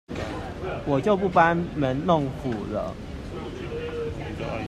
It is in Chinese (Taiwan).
我就不班門弄斧了